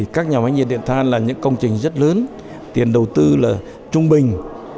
các nhà máy nhiệt điện than là những công trình rất lớn tiền đầu tư là trung bình